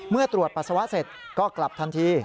เมื่อตรวจปัสสาวะเสร็จก็กลับทันที